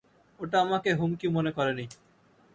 ওটা আমাকে হুমকি মনে করেনি।